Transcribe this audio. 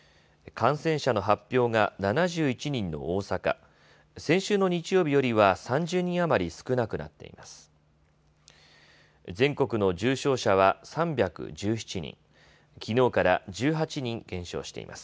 感染者の発表が７１人の大阪、先週の日曜日よりは３０人余り少なくなっています。